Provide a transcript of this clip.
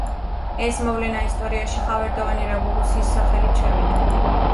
ეს მოვლენა ისტორიაში ხავერდოვანი რევოლუციის სახელით შევიდა.